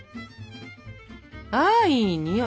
あいいにおい！